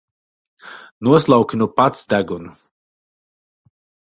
Noslauki nu pats degunu!